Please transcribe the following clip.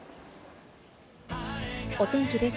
お天気です。